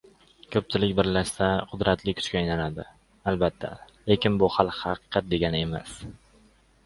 • Ko‘pchilik birlashsa, qudratli kuchga aylanadi, albatta, lekin bu hali haqiqat degani emas.